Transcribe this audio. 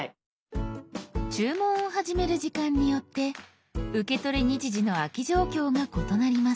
注文を始める時間によって受け取り日時の空き状況が異なります。